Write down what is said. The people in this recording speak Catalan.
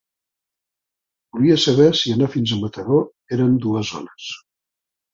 Volia saber si anar fins a Mataró eren dues zones.